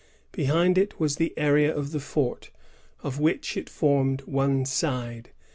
^ Behind it was the area of the fort, of which it formed one side.